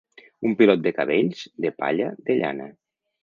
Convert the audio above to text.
Un pilot de cabells, de palla, de llana.